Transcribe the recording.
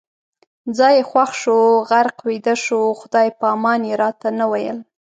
ځای یې خوښ شو، غرق ویده شو، خدای پامان یې راته نه ویل